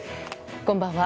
こんばんは。